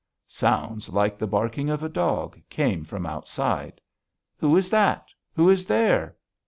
Sounds like the barking of a dog came from outside. "Who is that? Who is there?"